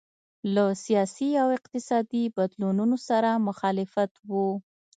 له سیاسي او اقتصادي بدلونونو سره مخالف وو.